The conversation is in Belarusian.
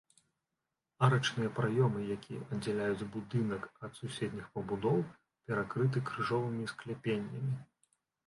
Арачныя праёмы, якія аддзяляюць будынак ад суседніх пабудоў, перакрыты крыжовымі скляпеннямі.